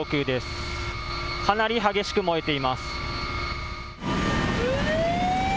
かなり激しく燃えています。